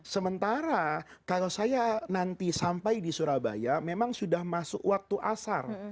sementara kalau saya nanti sampai di surabaya memang sudah masuk waktu asar